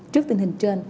trước tình hình trên